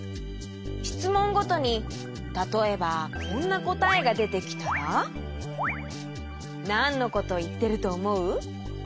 しつもんごとにたとえばこんなこたえがでてきたらなんのこといってるとおもう？